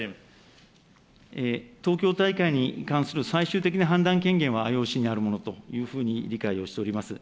東京大会に関する最終的な判断権限はＩＯＣにあるものというふうに理解をしております。